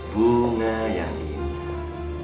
bunga yang indah